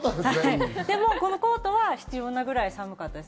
でもコートは必要なぐらい寒かったです。